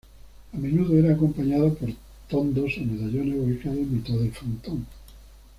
A menudo era acompañado por tondos o medallones ubicados en mitad del frontón.